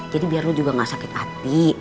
jadi biar lo juga gak sakit hati